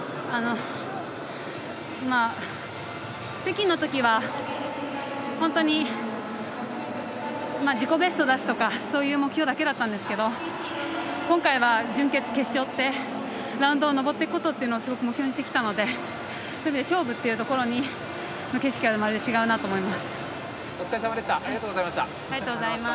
北京のときは本当に自己ベストを出すとかそういう目標だけだったんですけれども今回は準決、決勝とラウンドを上っていくことをすごく目標にしてきたので勝負っていうところでの景色はまるで違うなと思います。